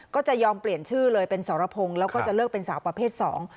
ก็จะยอมเปลี่ยนชื่อเลยเป็นสรพงศ์แล้วก็จะเลิกเป็นสาวประเภทสอง